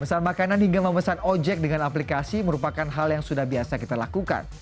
pesan makanan hingga memesan ojek dengan aplikasi merupakan hal yang sudah biasa kita lakukan